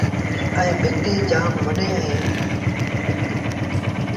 ائيٚݩ ڀتيٚن جآم وڏيݩ اوهيݩ۔